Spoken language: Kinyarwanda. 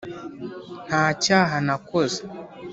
ntacyaha nakoze